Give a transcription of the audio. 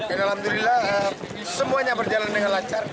alhamdulillah semuanya berjalan dengan lancar